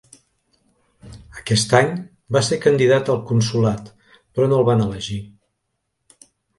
Aquest any va ser candidat al consolat, però no el van elegir.